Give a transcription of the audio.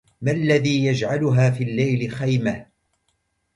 ما الذي يجعلها في الليل خيمهْ